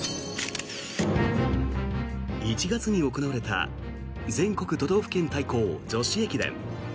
１月に行われた全国都道府県対抗女子駅伝。